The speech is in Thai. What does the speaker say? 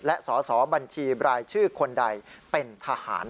และสอสอบัญชีรายชื่อคนใดเป็นทหาร